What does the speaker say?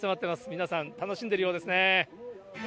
皆さん楽しんでいるようですね。